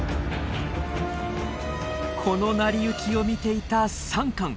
この成り行きを見ていたサンカン。